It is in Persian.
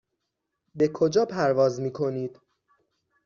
به کجا پرواز میکنید؟